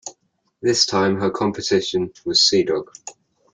This time her competition was "Sea Dog".